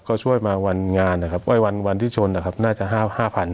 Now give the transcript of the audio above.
ก็ช่วยมาวันงานนะครับวันที่ชนนะครับน่าจะห้าห้าพัน